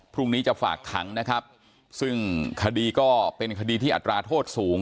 พรุ่งนี้จะฝากขังนะครับซึ่งคดีก็เป็นคดีที่อัตราโทษสูง